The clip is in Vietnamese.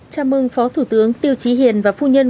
chào mừng phó thủ tướng tiêu trí hiền và phu nhân